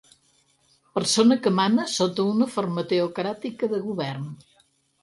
Persona que mana sota una forma teocràtica de govern.